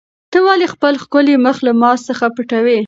ته ولې خپل ښکلی مخ له ما څخه پټوې؟